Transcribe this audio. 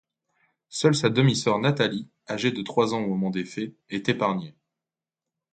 Seule sa demi-sœur Nathalie, âgée de trois ans au moment des faits, est épargnée.